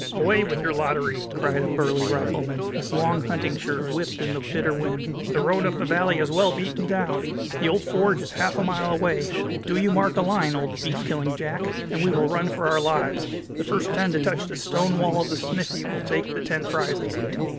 "Away with your lottery!" cried a burly rifleman, whose long hunting shirt whipped in the bitter wind. "The road up the valley is well beaten down. The old forge is half a mile away. Do you mark a line, old beef killing Jack, and we will run for our lives. The first ten to touch the stone wall of the smithy will take the ten prizes."